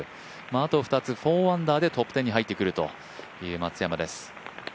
あと２つ、４アンダーでトップ１０に入ってくるという松山です。